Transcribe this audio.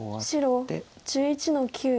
白１１の九。